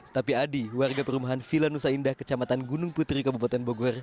tapi adi warga perumahan villa nusa indah kecamatan gunung putri kabupaten bogor